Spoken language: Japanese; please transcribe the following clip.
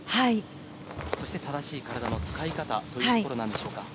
そして正しい体の使い方というところなんでしょうか。